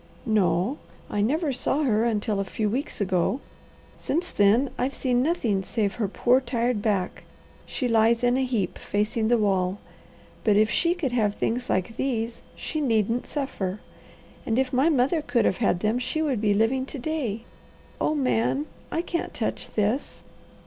"No. I never saw her until a few weeks ago. Since then I've seen nothing save her poor, tired back. She lies in a heap facing the wall. But if she could have things like these, she needn't suffer. And if my mother could have had them she would be living to day. Oh Man, I can't touch this."